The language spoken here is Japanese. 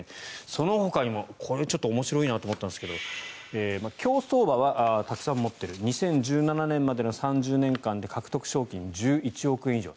そのほかにもこれ、ちょっと面白いなと思ったんですけど競走馬はたくさん持っている２０１７年までの３０年間で獲得賞金１１億円以上。